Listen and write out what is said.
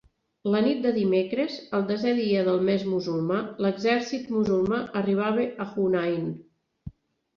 La nit de dimecres, el desè de dia del mes musulmà, l'exèrcit musulmà arribava a Hunain.